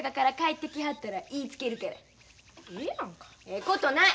ええことない！